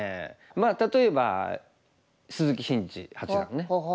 まあ例えば鈴木伸二八段ね。